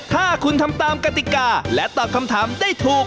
ถ้าคุณทำตามกติกาและตอบคำถามได้ถูก